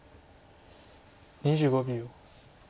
２５秒。